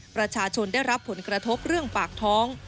ประชาชนได้รับผลกระทบเรื่องปากท้อง